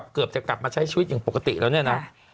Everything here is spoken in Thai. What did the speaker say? เกือบจะกลับมาใช้ชีวิตอย่างปกติแล้วเนี่ยนะ